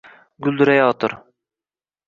Guldurayotir.